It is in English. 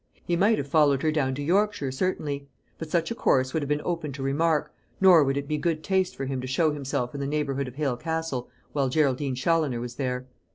He might have followed her down to Yorkshire, certainly; but such a course would have been open to remark, nor would it be good taste for him to show himself in the neighbourhood of Hale Castle while Geraldine Challoner was there.